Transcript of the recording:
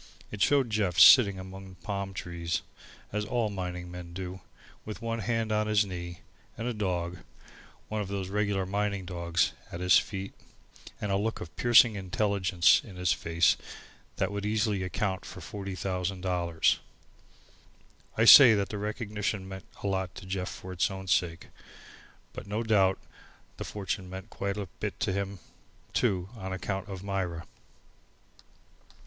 It showed Jeff sitting among palm trees, as all mining men do, with one hand on his knee, and a dog, one of those regular mining dogs, at his feet, and a look of piercing intelligence in his face that would easily account for forty thousand dollars. I say that the recognition meant a lot to Jeff for its own sake. But no doubt the fortune meant quite a bit to him too on account of Myra.